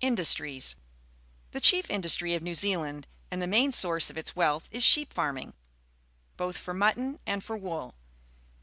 Industries. — The chief_J]id, ustiy of New Zealand and the main source of its wealth is sheep farmiug, both for mutton and for wool.